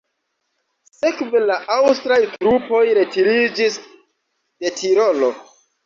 Sekve la aŭstraj trupoj retiriĝis de Tirolo.